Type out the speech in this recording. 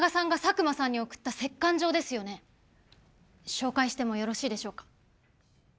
紹介してもよろしいでしょうか？